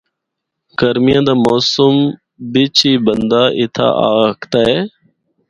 گرمیاں دا موسم بچ ہی بندا اِتھا آ ہکدا اے۔